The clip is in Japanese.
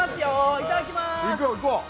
いただきます。